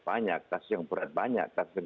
banyak kasus yang berat banyak kasus